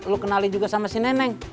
lu kenalin juga sama si nenek